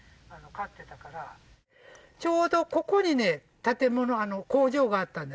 ちょうどここにね建物工場があったんですよ